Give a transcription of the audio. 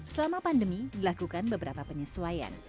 selama pandemi dilakukan beberapa penyesuaian